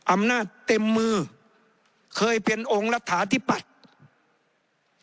อำนาจเต็มมือเคยเป็นองค์รัฐาธิปัตย์